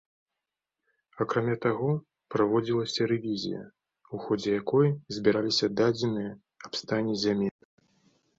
Акрамя таго, праводзілася рэвізія, у ходзе якой збіраліся дадзеныя аб стане зямель.